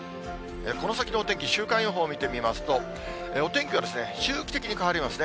この先のお天気、週間予報を見てみますと、お天気が周期的に変わりますね。